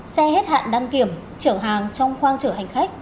xe hết hạn đăng kiểm trở hàng trong khoang trở hành khách